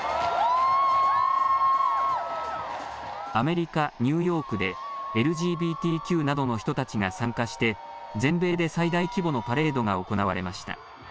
アメリカ・ニューヨークでＬＧＢＴＱなどの人たちが参加して全米で最大規模のパレードが行われました。